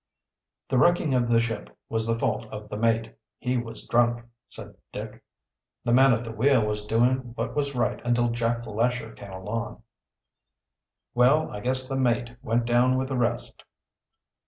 "The wrecking of the ship was the fault of the mate. He was drunk," said Dick. "The man at the wheel was doing what was right until Jack Lesher came along." "Well, I guess the mate went down with the rest."